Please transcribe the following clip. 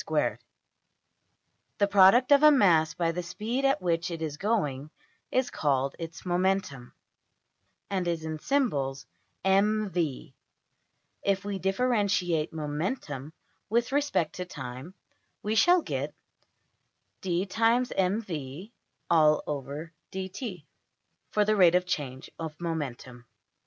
\end{DPalign*} The product of a mass by the speed at which it is going is called its \emph{momentum}, and is in symbols~$mv$. If we differentiate momentum with respect to time we shall get~$\dfrac{d(mv)}{dt}$ for the rate of change of momentum.